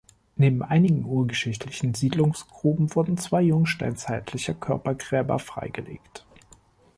Neben einigen urgeschichtlichen Siedlungsgruben wurden zwei jungsteinzeitliche Körpergräber freigelegt.